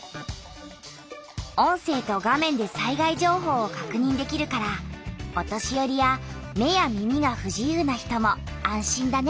音声と画面で災害情報をかくにんできるからお年よりや目や耳がふ自由な人も安心だね。